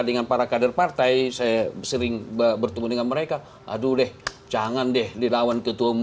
dengan para kader partai saya sering bertemu dengan mereka aduh deh jangan deh dilawan ketua